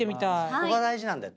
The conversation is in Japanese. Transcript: そこが大事なんだよ。